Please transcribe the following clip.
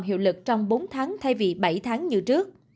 hiệu lực trong bốn tháng thay vì bảy tháng như trước